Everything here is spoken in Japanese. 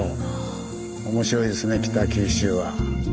面白いですね北九州は。